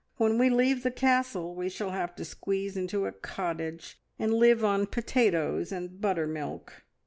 When we leave the Castle we shall have to squeeze into a cottage, and live on potatoes and buttermilk.